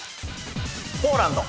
ポーランド。